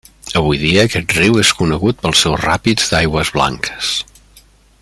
Avui dia aquest riu és conegut pels seus ràpids d'aigües blanques.